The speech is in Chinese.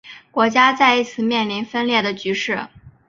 国家再一次面临分裂的局势。